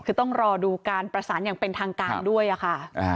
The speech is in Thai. คือต้องรอดูการประสานอย่างเป็นทางการด้วยค่ะ